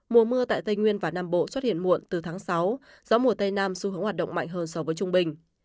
mùa mưa tại tây nguyên và nam bộ xuất hiện muộn từ tháng sáu gió mùa tây nam xu hướng hoạt động mạnh hơn so với trung bình